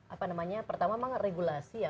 apa namanya pertama memang regulasi ya